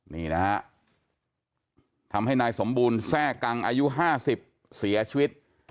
นี่นะฮะทำให้นายสมบูรณ์แทร่กังอายุ๕๐เสียชีวิต